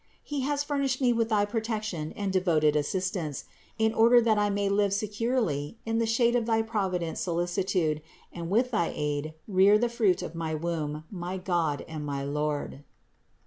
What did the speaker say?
He has furnished me with thy protection and devoted assistance, in order that I may live securely in the shade of thy provident solicitude and with thy aid rear the Fruit of my womb, my God and my Lord."